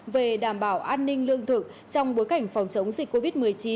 về đảm bảo an ninh lương thực trong bối cảnh phòng chống dịch covid một mươi chín